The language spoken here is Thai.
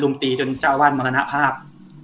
ลุ้มตีจนเจ้าอาวาสมรรณภาพ